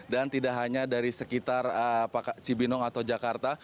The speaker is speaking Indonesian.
dan tidak hanya dari sekitar cibinong atau jakarta